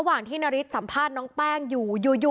หลายถึงสัมภาษณ์น้องแป้งอยู่